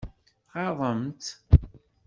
Tɣaḍem-tt?